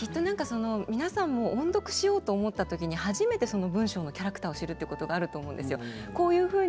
皆さんも音読しようと思ったときに初めて文章のキャラクターを知ると思うんですよ。